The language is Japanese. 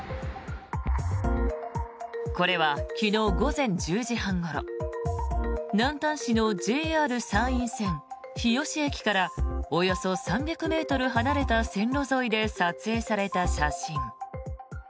これは昨日午前１０時半ごろ南丹市のＪＲ山陰線日吉駅からおよそ３００ｍ離れた線路沿いで撮影された写真。